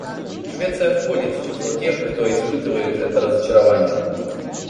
Швеция входит в число тех, кто испытывает это разочарование.